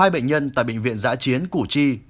hai bệnh nhân tại bệnh viện giã chiến củ chi